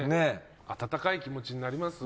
温かい気持ちになりますわ。